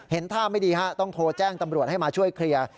ท่าไม่ดีฮะต้องโทรแจ้งตำรวจให้มาช่วยเคลียร์